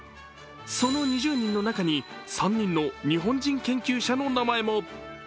その２０人の中に３人の日本人研究者の名前も。